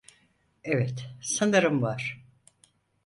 Evet, sanırım var.